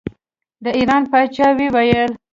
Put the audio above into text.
د ایران پاچا وویل.